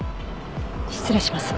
失礼します。